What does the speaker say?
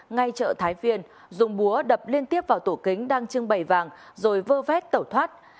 ngay chợ thái viên dùng búa đập liên tiếp vào tổ kính đang trưng bày vàng rồi vơ vét tẩu thoát